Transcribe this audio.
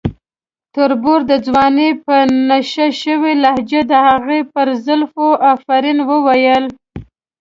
تربور د ځوانۍ په نشه شوې لهجه د هغې پر زلفو افرین وویل.